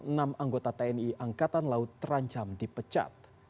enam anggota tni angkatan laut terancam dipecat